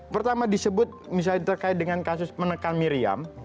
pertama disebut misalnya terkait dengan kasus menekan miriam